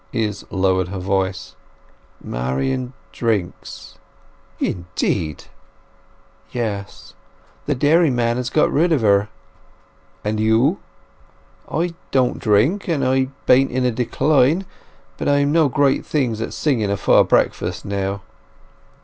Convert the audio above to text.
Izz lowered her voice. "Marian drinks." "Indeed!" "Yes. The dairyman has got rid of her." "And you!" "I don't drink, and I bain't in a decline. But—I am no great things at singing afore breakfast now!"